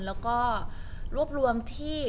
แล้วก็รวบรวมที่